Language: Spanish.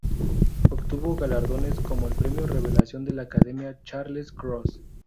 Obtuvo galardones, como el premio revelación de la Academia Charles Cros.